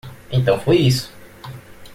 Então foi isso.